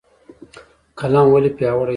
قلم ولې پیاوړی دی؟